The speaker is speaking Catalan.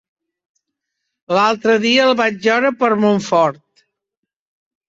L'altre dia el vaig veure per Montfort.